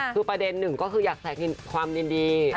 คือประเด็นจากนี้ก็อยากแต่งความยินดี